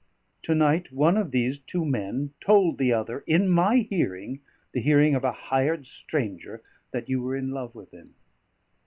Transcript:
To night one of these two men told the other, in my hearing the hearing of a hired stranger, that you were in love with him.